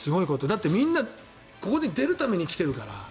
だってみんなここに出るために来てるから。